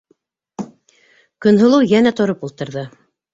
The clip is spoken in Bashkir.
- Көнһылыу йәнә тороп ултырҙы.